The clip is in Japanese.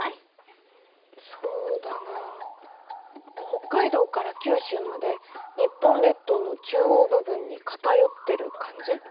北海道から九州まで日本列島の中央部分に偏ってる感じ？